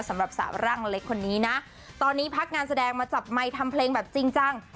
สำหรับสาวร่างเล็กคนนี้นะตอนนี้พักงานแสดงมาจับไมค์ทำเพลงแบบจริงจัง